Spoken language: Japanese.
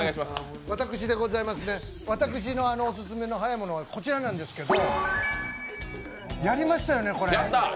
私のオススメのはやいものはこちらなんですけどやりましたよね、これ。